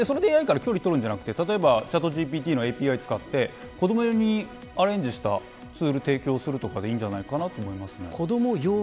それでＡＩから距離を取るのではなくチャットＧＰＴのＡＰＩを使って子ども用にアレンジしたツールを提供するとかでいいんじゃないかなと思いますね。